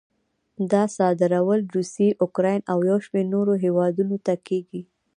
دا صادرول روسیې، اوکراین او یو شمېر نورو هېوادونو ته کېږي.